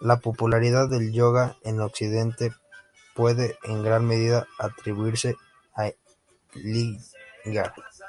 La popularidad del yoga en Occidente puede en gran medida atribuirse a Iyengar.